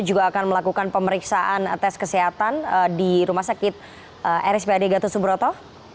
juga akan melakukan pemeriksaan tes kesehatan di rumah sakit rspad gatot subroto